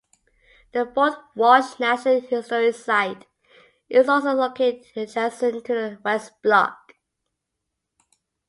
The "Fort Walsh National Historic Site" is also located adjacent to the "west block".